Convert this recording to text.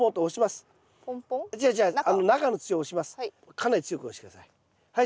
かなり強く押して下さい。